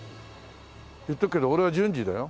言っとくけど俺は「じゅんじ」だよ。